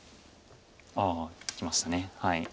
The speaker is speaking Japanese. ああきました。